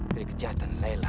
dari kejahatan layla